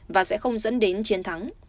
và sẽ không dẫn đến chiến thắng